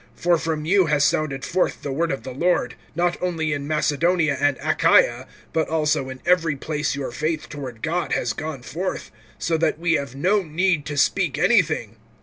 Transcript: (8)For from you has sounded forth the word of the Lord, not only in Macedonia and Achaia, but also in every place your faith toward God has gone forth; so that we have no need to speak anything.